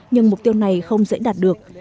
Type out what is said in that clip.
nhưng mục tiêu này không dễ đạt được